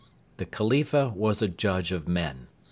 The Khalifa was a judge of men.